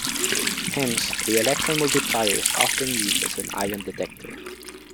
Hence the electron multiplier is often used as an ion detector.